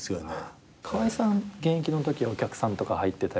川合さん現役のときお客さんとか入ってたりとか。